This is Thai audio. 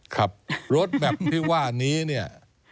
ครับโรดแมปที่ว่านี้เนี่ย